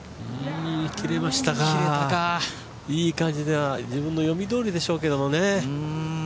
いい感じで自分の読みどおりでしょうけどね。